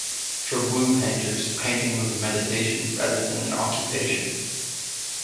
For Wu painters, painting was a meditation, rather than an occupation.